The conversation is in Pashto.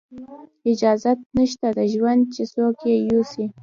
اجازت نشته د ژوند چې څوک یې یوسي